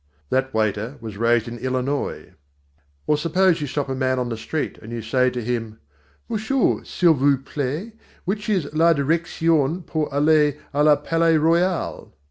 That waiter was raised in Illinois. Or suppose you stop a man on the street and you say to him: "Musshoo, s'il vous plait, which is la direction pour aller à le Palais Royal?"